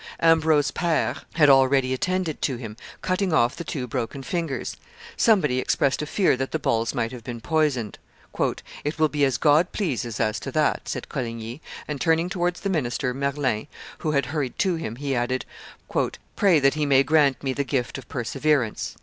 Ambrose Pare had already attended to him, cutting off the two broken fingers; somebody expressed a fear that the balls might have been poisoned. "It will be as God pleases as to that," said Coligny; and, turning towards the minister, Merlin, who had hurried to him, he added, "pray that He may grant me the gift of perseverance."